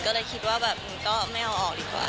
ก็เลยคิดว่าแบบก็ไม่เอาออกดีกว่า